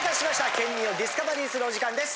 県民をディスカバリーするお時間です。